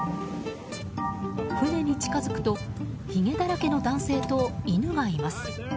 船に近づくとひげだらけの男性と犬がいます。